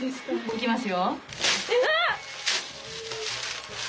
いきますよ。